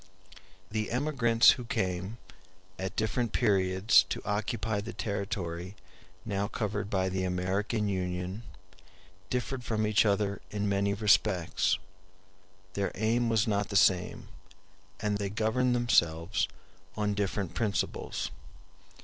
The emigrants who came, at different periods to occupy the territory now covered by the American Union differed from each other in many respects; their aim was not the same, and they governed themselves on different principles.